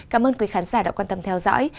cảm ơn quý khán giả đã quan tâm theo dõi